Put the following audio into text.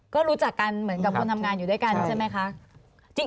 ก็รู้จักกันเหมือนกับคนทำงานอยู่ด้วยกันใช่ไหมคะ